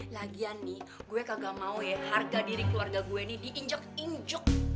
lagian nih gue kagak mau ya harga diri keluarga gue ini diinjak injak